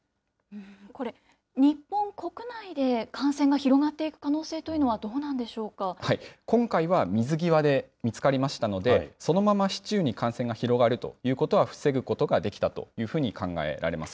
これ、日本国内で感染が広がっていく可能性というのは、どう今回は水際で見つかりましたので、そのまま市中に感染が広がるということは防ぐことができたというふうに考えられます。